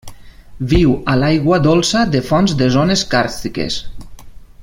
Viu a l'aigua dolça de fonts de zones càrstiques.